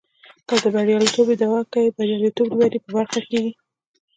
که د برياليتوب ادعا کوې برياليتوب دې په برخه کېږي.